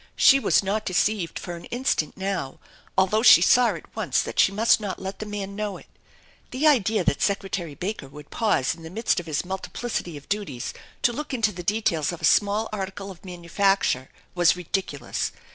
She was not deceived for an instant now, although she saw at once that she must not let the man know it. The idea that Secretary Baker would pause in the midst of his multiplicity of duties to look into the details of a small article of manufacture was ridiculous!